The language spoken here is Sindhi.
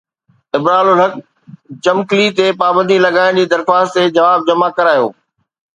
ابرارالحق چمڪلي تي پابندي لڳائڻ جي درخواست تي جواب جمع ڪرايو